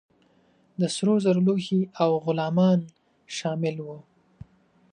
د سرو زرو لوښي او غلامان شامل وه.